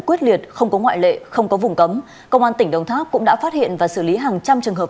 quyết liệt không có ngoại lệ không có vùng cấm công an tỉnh đồng tháp cũng đã phát hiện và xử lý hàng trăm trường hợp